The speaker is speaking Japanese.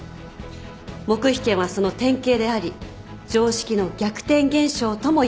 黙秘権はその典型であり常識の逆転現象ともいわれている。